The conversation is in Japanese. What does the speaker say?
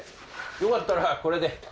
よかったらこれで。